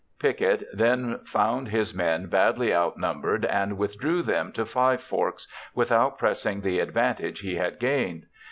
Pickett then found his men badly outnumbered and withdrew them to Five Forks without pressing the advantage he had gained.